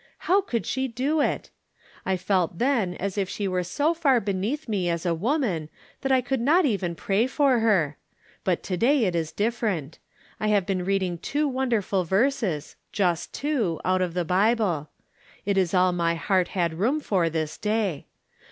How could she do it ! I felt then as if she were so far beneath me as a woman that I could not even prajf for her. But to day it is different. I have been reading two wonderful verses — ^just two — out of the Bible. It is all my heart had room for this day.